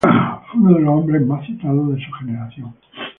Fue uno de los hombres más citados de su generación.